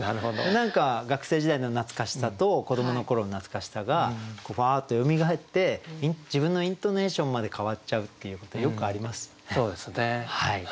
何か学生時代の懐かしさと子どもの頃の懐かしさがふわっとよみがえって自分のイントネーションまで変わっちゃうっていうことよくありますよね。